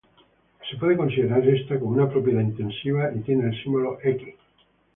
Ésta puede considerarse como una propiedad intensiva y tiene el símbolo "x".